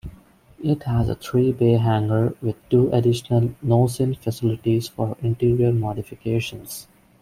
It has a three-bay hangar with two additional 'Nose In' facilities for interior modifications.